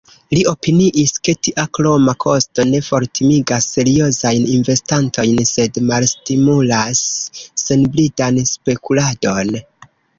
Li opiniis ke tia kroma kosto ne fortimigas seriozajn investantojn, sed malstimulas senbridan spekuladon.